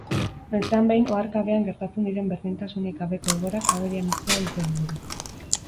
Noizean behin oharkabean gertatzen diren berdintasunik gabeko egoerak agerian uztea dute helburu.